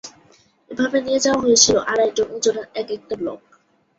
এভাবে নিয়ে যাওয়া হয়েছিল আড়াই টন ওজনের এক একটা ব্লক।